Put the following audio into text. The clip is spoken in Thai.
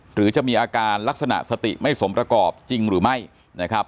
หรือจะมีอาการลักษณะสติไม่สมประกอบจริงหรือไม่นะครับ